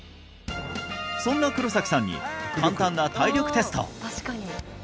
そんな黒崎さんに簡単な体力テスト！